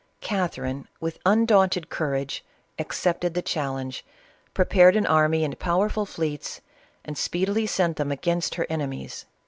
Catherine, with undaunted courage, accepted the challenge, prepared an army and powerful fleets, and speedily sent them against her en emies.